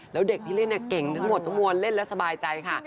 แล้วเด็กที่เล่นเก่งทั้งหมดทั้งมวลเล่นแล้วสบายใจค่ะ